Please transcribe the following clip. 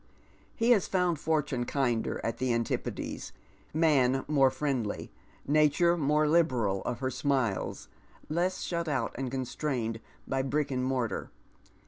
He has found fortune kinder at the antipodes, man more friendlj' , Nature more liberal of her smiles, less shut out and constrained by brick and mortar.